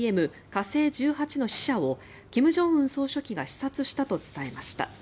火星１８の試射を金正恩総書記が視察したと伝えました。